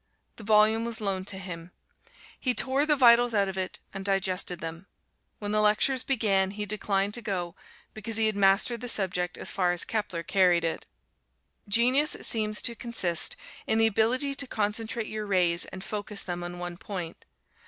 The volume was loaned to him. He tore the vitals out of it and digested them. When the lectures began, he declined to go because he had mastered the subject as far as Kepler carried it. Genius seems to consist in the ability to concentrate your rays and focus them on one point.